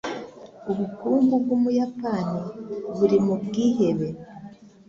Ubukungu bwUbuyapani buri mu bwihebe.